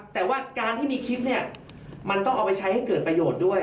แต่ว่าการที่มีคลิปเนี่ยมันต้องเอาไปใช้ให้เกิดประโยชน์ด้วย